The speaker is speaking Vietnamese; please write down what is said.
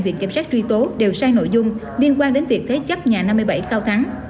viện kiểm sát truy tố đều sai nội dung liên quan đến việc thế chấp nhà năm mươi bảy cao thắng